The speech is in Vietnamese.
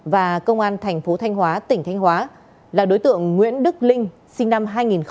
và công an thành phố thanh hóa tỉnh thanh hóa là đối tượng nguyễn đức linh sinh năm hai nghìn